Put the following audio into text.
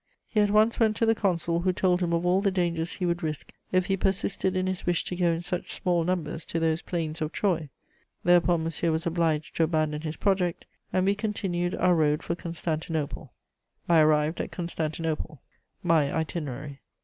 He at once went to the consul, who told him of all the dangers he would risk if he persisted in his wish to go in such small numbers to those plains of Troy. Thereupon Monsieur was obliged to abandon his project, and we continued our road for Constantinople." [Sidenote: Constantinople.] I arrived at Constantinople. MY ITINERARY.